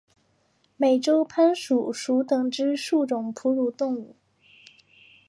美洲攀鼠属等之数种哺乳动物。